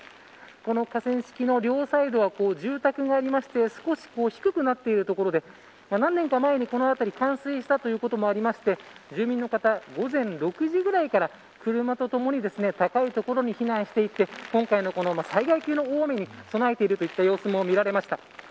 この河川敷の両サイドは住宅がありまして少し低くなっている所で何年か前にこの辺り冠水したこともあって住民の方、午前６時ぐらいから車とともに高い所に避難していて今回の災害級の大雨に備えているといった様子も見られました。